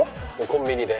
コンビニで。